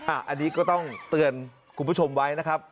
อันนี้ก็ต้องเตือนคุณผู้ชมไว้นะครับ